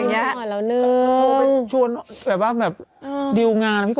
ยิ้มอ่อนแล้วหนึ่งอย่างนี้